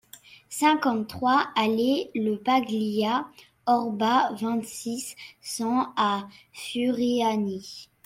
cinquante-trois allée le Paglia Orba, vingt, six cents à Furiani